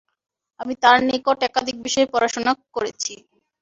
আমি তার নিকট একাধিক বিষয়ে পড়াশুনা করেছি।